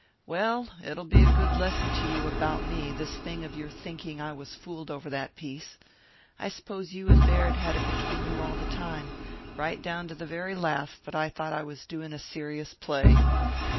"Well, it'll be a good lesson to you about me, this thing of your thinking I was fooled over that piece. I s'pose you and Baird had it between you all the time, right down to the very last, that I thought he was doin' a serious play.